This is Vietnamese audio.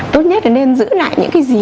tốt nhất là nên giữ lại những cái gì